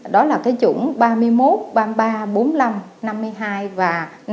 đó là cái chủng ba mươi một ba mươi ba bốn mươi năm năm mươi hai và năm mươi